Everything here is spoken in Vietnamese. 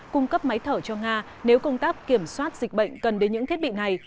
cung cấp máy thở cho nga nếu công tác kiểm soát dịch bệnh cần đến những thiết bị này